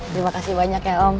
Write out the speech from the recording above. terima kasih banyak ya om